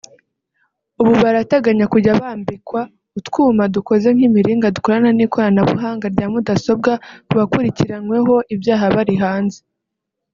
ubu barateganya kujya bambikwa utwuma dukoze nk’imiringa dukorana n’ikoranabuhanga rya mudasobwa ku bakurikiranyweho ibyaha bari hanze